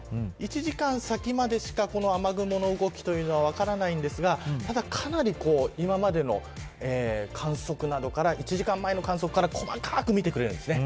１時間先までしか雨雲の動きというのは分からないんですがただかなり今までの観測などから１時間前の観測から細かく見てくれるんです。